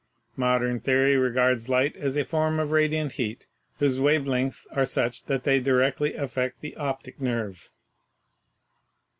Modern theory re gards light as a form of radiant heat whose wave lengths are such that they directly affect the optic nerve.